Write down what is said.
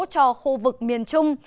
cho khu vực miền trung